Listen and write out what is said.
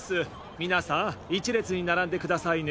みなさん１れつにならんでくださいね。